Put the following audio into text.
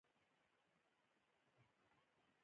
دې جلا والي د ټولنې په منځ کې لومړنی ویش رامنځته کړ.